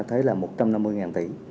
thấy là một trăm năm mươi tỷ